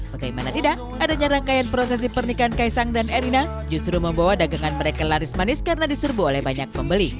bagaimana tidak adanya rangkaian prosesi pernikahan kaisang dan erina justru membawa dagangan mereka laris manis karena diserbu oleh banyak pembeli